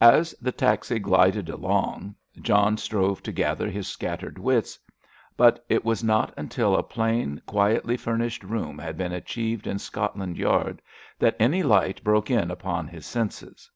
As the taxi glided along John strove to gather his scattered wits, but it was not until a plain, quietly furnished room had been achieved in Scotland Yard, that any light broke in upon his senses.